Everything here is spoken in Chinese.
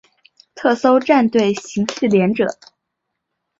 特搜战队刑事连者。